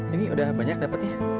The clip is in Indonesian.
ini sudah banyak dapatnya